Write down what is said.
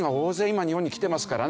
今日本に来てますからね。